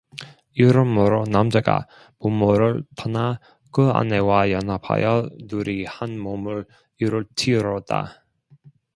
이러므로 남자가 부모를 떠나 그 아내와 연합하여 둘이 한 몸을 이룰찌로다